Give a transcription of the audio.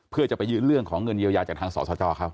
เพื่อจะไปยื่นเรื่องของเงินเยียวยาจากทางสสจเขา